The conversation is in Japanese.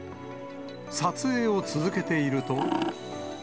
撮影を続けていると。